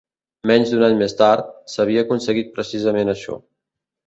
Menys d'un any més tard, s'havia aconseguit precisament això.